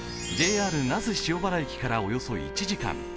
ＪＲ那須塩原駅からおよそ１時間。